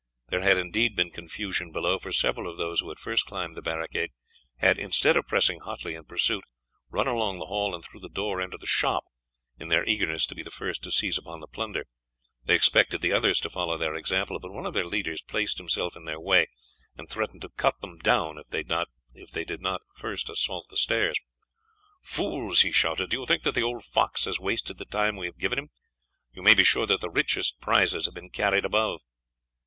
There had indeed been confusion below, for several of those who had first climbed the barricade had, instead of pressing hotly in pursuit, run along the hall and through the door into the shop, in their eagerness to be the first to seize upon the plunder. They expected the others to follow their example, but one of their leaders placed himself in their way and threatened to cut them down if they did not first assault the stairs. "Fools!" he shouted, "do you think that the old fox has wasted the time we have given him? You may be sure that the richest prizes have been carried above."